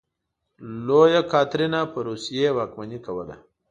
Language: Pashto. لویه کاترینه په روسیې واکمني کوله.